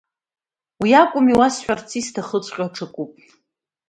Уи акәым иуасҳәарц исҭахыҵәҟьоу, аҽакуп.